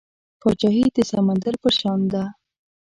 پاچاهي د سمندر په شان ده .